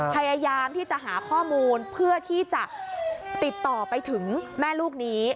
พยายามที่จะหาข้อมูลเพื่อที่จะติดต่อไปถึงแม่ลูกนี้